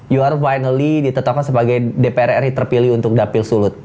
your finally ditetapkan sebagai dpr ri terpilih untuk dapil sulut